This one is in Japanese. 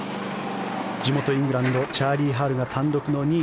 地元イングランドチャーリー・ハルが単独の２位。